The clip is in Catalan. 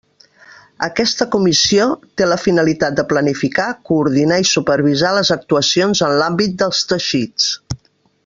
Aquesta Comissió té la finalitat de planificar, coordinar i supervisar les actuacions en l'àmbit dels teixits.